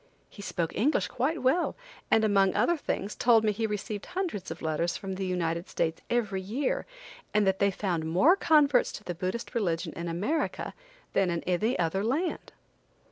He spoke English quite well, and among other things told me he received hundreds of letters from the United States every year, and that they found more converts to the Buddhist religion in America than in any other land.